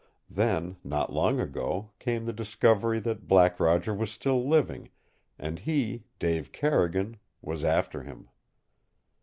Then, not long ago, came the discovery that Black Roger was still living, and he, Dave Carrigan, was after him.